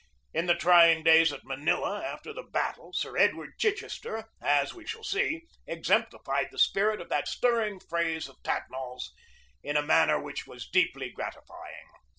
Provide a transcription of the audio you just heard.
In the trying days at Manila after the battle, Sir Edward Chichester, as we shall see, exemplified the spirit of that stirring phrase of Tatnall's in a manner that was deeply gratifying.